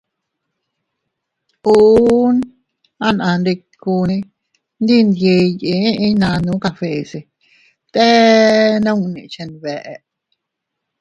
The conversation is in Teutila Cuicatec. Ùu anandikuune ndi nyeyee eʼe iynannu cafèse se bte nunni chenbeʼe.